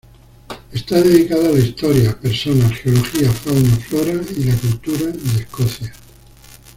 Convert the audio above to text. Está dedicado a la historia, personas, geología, fauna, flora y la cultura de Escocia.